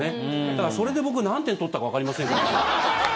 だからそれで僕、何点取ったかわかりませんけども。